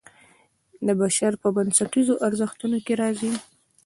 د بشر په بنسټیزو ارزښتونو کې راځي.